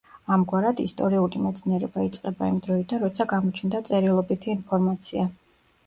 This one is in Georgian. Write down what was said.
ამგვარად, ისტორიული მეცნიერება იწყება იმ დროიდან, როცა გამოჩნდა წერილობითი ინფორმაცია.